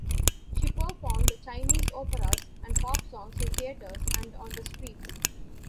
She performed Chinese operas and pop songs in theatres and on the streets.